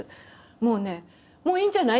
もうねもういいんじゃない？